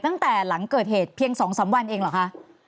ตั้งแต่หลังเกิดเหตุเพียง๒๓วันเองเหรอคะ